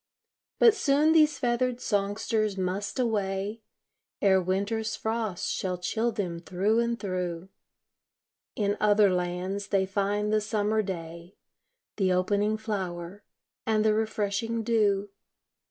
But soon these feathered songsters must away, Ere winter's frosts shall chill them thro' and thro'; In other lands they find the summer day, The opening flower, and the refreshing dew.